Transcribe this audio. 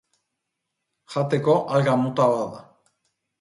Jateko alga mota bat da.